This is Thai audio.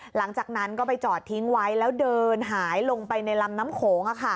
หลังจากนั้นก็ไปจอดทิ้งไว้แล้วเดินหายลงไปในลำน้ำโขง